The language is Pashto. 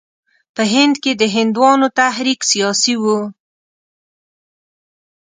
په هند کې د هندوانو تحریک سیاسي وو.